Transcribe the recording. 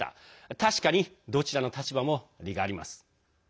確かに、どちらの立場も理があります。